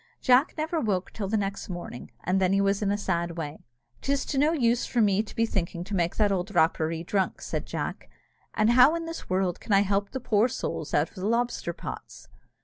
Jack never woke till the next morning, and then he was in a sad way. "'Tis to no use for me thinking to make that old Rapparee drunk," said Jack, "and how in this world can I help the poor souls out of the lobster pots?"